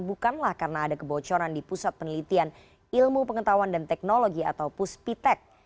bukanlah karena ada kebocoran di pusat penelitian ilmu pengetahuan dan teknologi atau puspitek